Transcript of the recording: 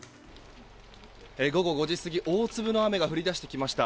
午後５時過ぎ大粒の雨が降り出してきました。